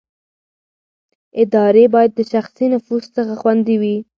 ادارې باید د شخصي نفوذ څخه خوندي وي